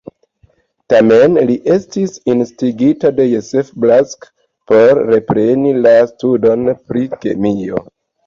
Tamen, li estis instigita de Joseph Black por repreni la studon pri kemio.